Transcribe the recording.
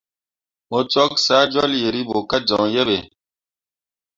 Mu cwak saa jol yeribo ka joŋ yehe.